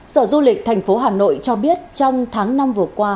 sở du lịch thành phố hà nội cho biết trong tháng năm vừa qua